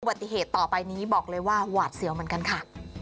ปฏิเหตุต่อไปนี้บอกเลยว่าหวาดเสียวเหมือนกันค่ะ